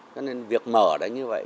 cho nên việc mở nó như vậy